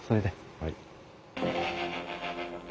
はい。